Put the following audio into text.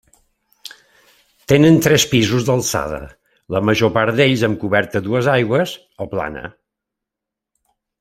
Tenen tres pisos d'alçada, la major part d'ells amb coberta a dues aigües o plana.